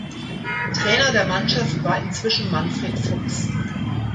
Trainer der Mannschaft war inzwischen Manfred Fuchs.